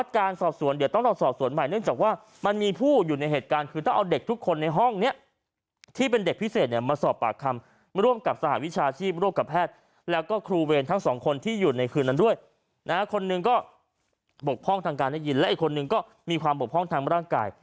คนหนึ่งก็บกพร่องทางการได้ยินและอีกคนหนึ่งก็มีความบกพร่องทางร่างกาย